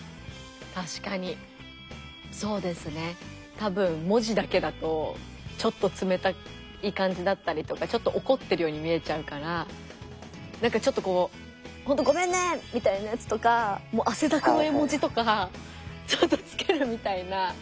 多分文字だけだとちょっと冷たい感じだったりとかちょっと怒ってるように見えちゃうからなんかちょっとこう「ほんとごめんね！」みたいなやつとか汗だくの絵文字とかちょっとつけるみたいな。